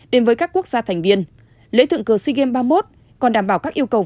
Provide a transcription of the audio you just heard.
đến với các quốc gia thành viên lễ thượng cờ sea games ba mươi một còn đảm bảo các yêu cầu